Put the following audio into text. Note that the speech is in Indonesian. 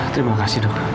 terima kasih dok